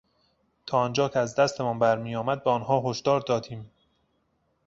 تا آنجا که از دستمان بر میآمد به آنها هشدار دادیم.